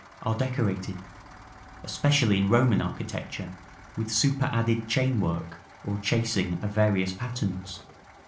are decorated, especially in Roman architecture, with superadded chain work or chasing of various patterns.